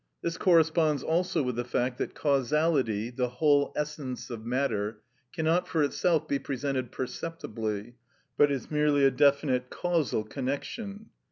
This corresponds also with the fact, that causality (the whole essence of matter) cannot for itself be presented perceptibly, but is merely a definite casual connection.